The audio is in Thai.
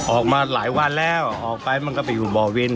ออกมาหลายวันแล้วออกไปมันก็ไปอยู่บ่อวิน